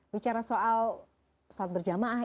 bicara soal sholat berjamaah